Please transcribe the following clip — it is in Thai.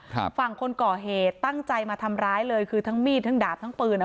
ฝั่งคนก่อเหตุตั้งใจมาทำร้ายเลยคือทั้งมีดทั้งดาบทั้งปืนอ่ะ